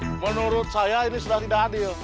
menurut saya ini sudah tidak adil